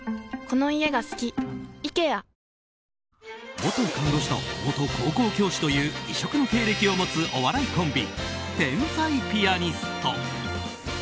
元看護師と元高校教師という異色の経歴を持つお笑いコンビ、天才ピアニスト。